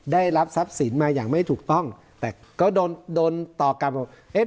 ได้รับทรัพย์สินมาอย่างไม่ถูกต้องแต่ก็โดนโดนต่อกลับบอกเอ๊ะ